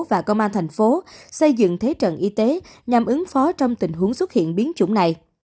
và công an thành phố xây dựng thế trận y tế nhằm ứng phó trong tình huống xuất hiện biến chủng này